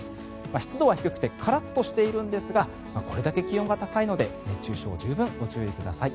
湿度は低くてカラッとしているんですがこれだけ気温が高いので熱中症に十分ご注意ください。